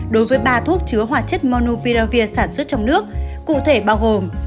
đối với ba thuốc chứa hoạt chất monopiravir sản xuất trong nước cụ thể bao gồm